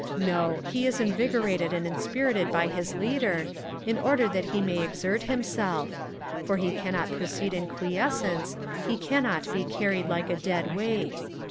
No; he is invigorated and inspirited by his leader, in order that he may exert himself; for he cannot proceed in quiescence, he cannot be carried like a dead weight.